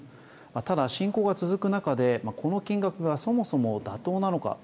ただ、侵攻が続く中でこの金額がそもそも妥当なのか。